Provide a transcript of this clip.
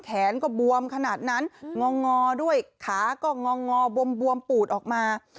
แขนก็บวมขนาดนั้นงองอด้วยขาก็งองอบวมปูดออกมา